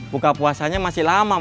buka puasanya masih lama